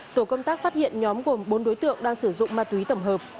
tổ công tác phát hiện nhóm gồm bốn đối tượng đang sử dụng ma túy tổng hợp